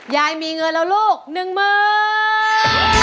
ยายมีเงินแล้วลูก๑๐๐๐๐บาท